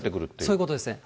そういうことですね。